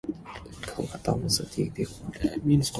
Пұлыңа табылса, тегіндей қуан.